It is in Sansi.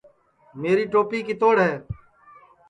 میری توپی کِتوڑ ہے